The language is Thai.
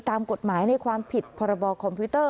ตามกฎหมายในความผิดพค